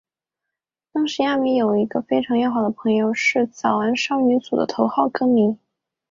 当时亚弥有一个非常要好的朋友是早安少女组的头号歌迷。